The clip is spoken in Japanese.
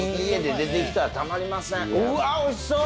うわっおいしそう！